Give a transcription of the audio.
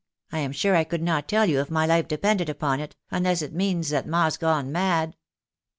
I am sure I could not tell you if my life depended upon it, unless it means that ma's gone mad."